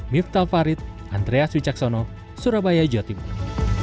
kini kampung bakat menjadi ikon kota yang terbaik